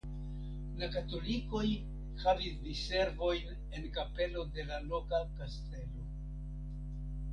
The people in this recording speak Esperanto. La katolikoj havis diservojn en kapelo de la loka kastelo.